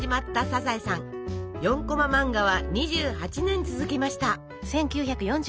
４コマ漫画は２８年続きました。